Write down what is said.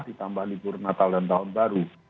ditambah libur natal dan tahun baru